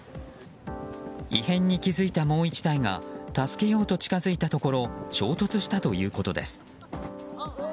異変に気付いたもう１台が助けようと近づいたところ衝突したということです。